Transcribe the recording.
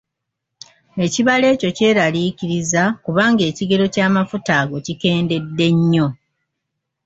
Ekibalo ekyo kyeraliikiriza kubanga ekigero ky'amafuta ago kikendedde nnyo.